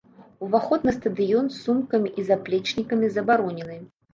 Уваход на стадыён з сумкамі і заплечнікамі забаронены.